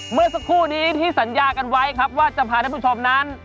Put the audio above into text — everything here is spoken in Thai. เมื่อสักครู่นี้ที่สัญญากันไว้ครับว่าจะพาท่านผู้ชมนั้น